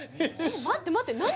待って待って何？